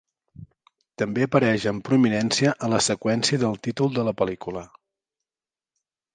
També apareix amb prominència a la seqüència del títol de la pel·lícula.